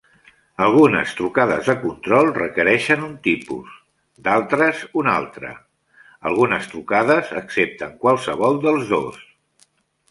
Algunes trucades de control requereixen un tipus, d'altres un altre, algunes trucades accepten qualsevol dels dos.